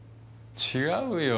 違うよ。